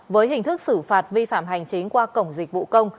với hình thức xử phạt vi phạm hành chính qua cổng dịch vụ công